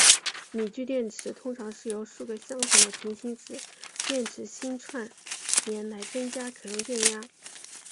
锂聚电池通常是由数个相同的平行子电池芯串联来增加可用电压。